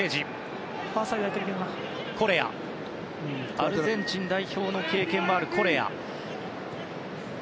アルゼンチン代表の経験もあるコレア。